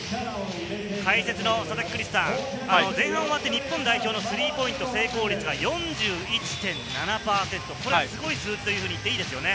解説の佐々木クリスさん、前半終わって日本代表のスリーポイント成功率は４１．７％、これはすごい数字と言っていいですよね。